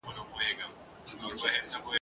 ګیدړ سمدستي پر ښکر د هغه سپور سو ..